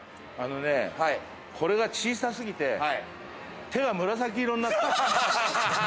あのね、これが小さすぎて手が紫色になった。